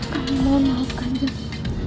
kami mohon maafkan kanjeng